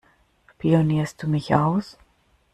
Spionierst du mich aus?